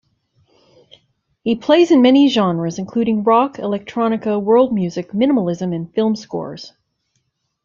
He plays in many genres, including rock, electronica, world music, minimalism and film scores.